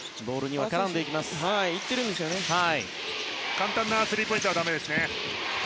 簡単なスリーポイントはだめですね。